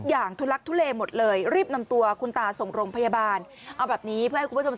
ที่ที่ที่ที่ที่ที่ที่ที่ที่ที่ที่ที่ที่ที่ที่ที่